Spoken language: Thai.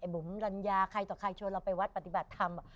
บุ๋มรัญญาใครต่อใครชวนเราไปวัดปฏิบัติธรรม